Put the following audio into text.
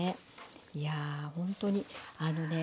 いやほんとにあのね